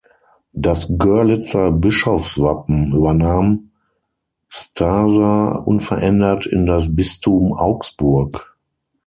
Das Görlitzer Bischofswappen übernahm Zdarsa unverändert in das Bistum Augsburg.